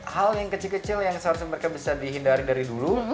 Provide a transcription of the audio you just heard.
hal yang kecil kecil yang seharusnya mereka bisa dihindari dari dulu